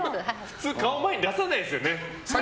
普通、顔前に出さないですよね。